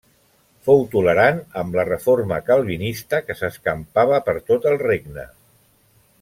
Fou tolerant amb la reforma calvinista, que s'escampava per tot el regne.